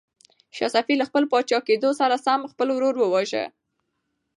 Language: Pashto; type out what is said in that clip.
شاه صفي له خپل پاچا کېدلو سره سم خپل ورور وواژه.